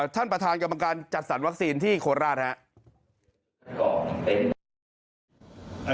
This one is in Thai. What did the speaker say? ท่านประธานกรรมการจัดสรรวัคซีนที่โคราชครับ